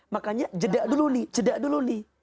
makanya jeda dulu nih